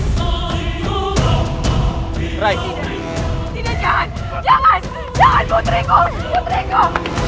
tidak tidak jangan jangan jangan putriku putriku